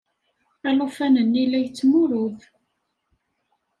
Alufan-nni la yettmurud.